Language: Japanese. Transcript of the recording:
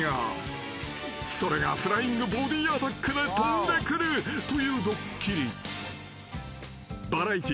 ［それがフライングボディアタックでとんでくるというドッキリ］